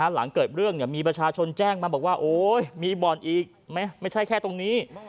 หลังเกิดเรื่องมีประชาชนแจ้งมาบอกว่าโอ๊ยมีบ่อนอีกไม่ใช่แค่ตรงนี้